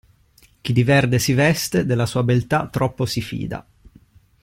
Chi di verde si veste della sua beltà troppo si fida.